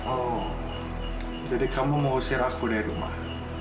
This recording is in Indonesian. oh jadi kamu mau usir aku dari rumah